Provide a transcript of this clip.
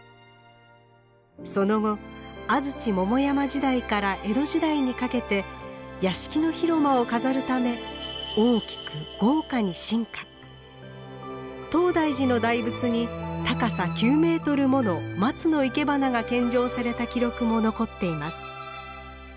その後安土桃山時代から江戸時代にかけて屋敷の広間を飾るため東大寺の大仏に高さ９メートルもの松のいけばなが献上された記録も残っています。